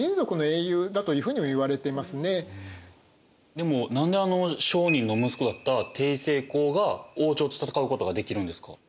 でも何で商人の息子だった成功が王朝と戦うことができるんですか？